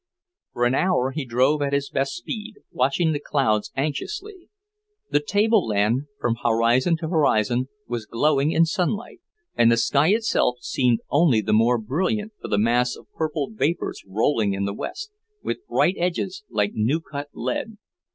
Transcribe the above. For an hour he drove at his best speed, watching the clouds anxiously. The table land, from horizon to horizon, was glowing in sunlight, and the sky itself seemed only the more brilliant for the mass of purple vapours rolling in the west, with bright edges, like new cut lead.